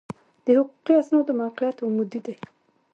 د حقوقي اسنادو موقعیت عمودي دی.